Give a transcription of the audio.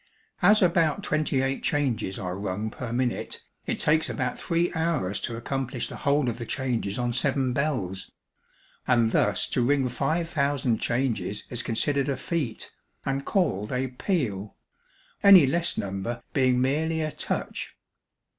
As about twenty eight changes are rung per minute, it takes about three hours to accomplish the whole of the changes on seven bells; and thus to ring five thousand changes is considered a feat, and called a 'peal;' any less number being merely a 'touch.'